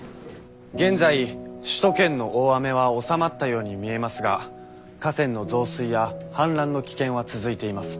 現在首都圏の大雨は収まったように見えますが河川の増水や氾濫の危険は続いています。